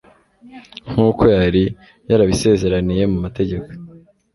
nk'uko yari yarabisezeraniye mu mategeko